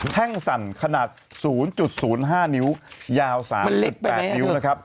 แท่งสั่นขนาด๐๐๕นิ้วยาว๓๘นิ้วนะครับ